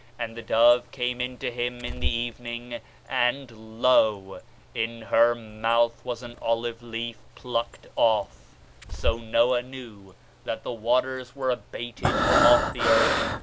And the dove came in to him in the evening, and, lo, in her mouth was an olive leaf plucked off: so Noah knew that the waters were abated from off the earth.